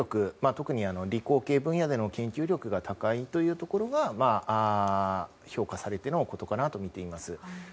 特に理工系分野での研究力が高いというところが評価されてのことかなと見ています。